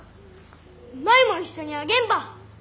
舞も一緒にあげんば。